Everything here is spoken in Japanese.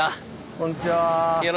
こんにちは。